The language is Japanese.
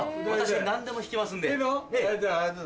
私何でも弾けますんで。